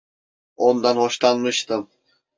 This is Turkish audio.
Ondan hoşlanmıştım.